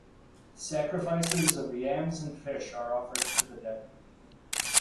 Sacrifices of yams and fish are offered to the dead.